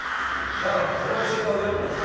だからこれ教えてあげようと思って。